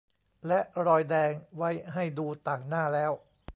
และรอยแดงไว้ให้ดูต่างหน้าแล้ว